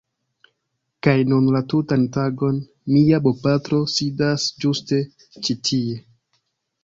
Kaj nun la tutan tagon mia bopatro sidas ĝuste ĉi tie